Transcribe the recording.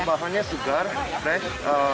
kalau bahannya sugar fresh